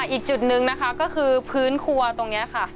อีกจุดนึงนะคะก็คือพื้นครัวตรงนี้ค่ะ